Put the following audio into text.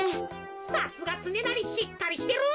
さすがつねなりしっかりしてる！